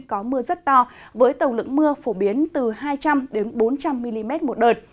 có mưa rất to với tổng lượng mưa phổ biến từ hai trăm linh bốn trăm linh mm một đợt